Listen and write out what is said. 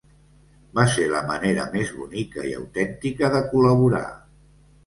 Va ser la manera més bonica i autèntica de col·laborar.